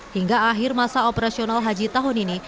hingga akhir masa operasional haji tahun ini